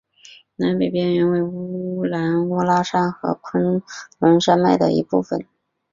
南北边缘为乌兰乌拉山和昆仑山脉的一部分。